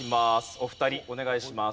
お二人お願いします。